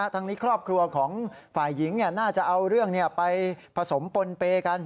ทางนี้ครอบครัวของฝ่ายหญิงน่าจะเอาเรื่องไปผสมปนเปย์กัน